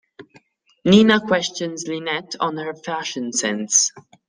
Nina questions Lynette on her fashion sense.